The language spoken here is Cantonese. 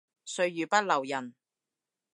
歲月不留人